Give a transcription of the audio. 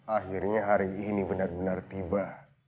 akhirnya hari ini benar benar tiba